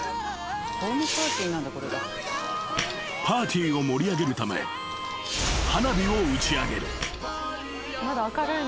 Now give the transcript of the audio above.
［パーティーを盛り上げるため花火を打ち上げる］